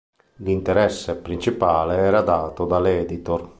L'interesse principale era dato dall'editor.